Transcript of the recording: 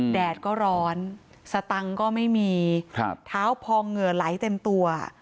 แดดก็ร้อนสตังค์ก็ไม่มีเท้าพองเหงื่อไหลเต็มตัว